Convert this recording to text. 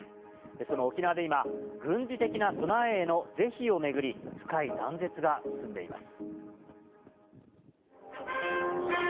その沖縄で今、軍事的な備えへの是非を巡り、深い断絶が進んでいます。